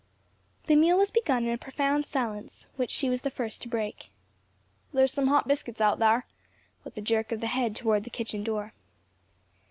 The meal was begun in a profound silence which she was the first to break. "Ther's some hot biscuits out thar," with a jerk of the head toward the kitchen door.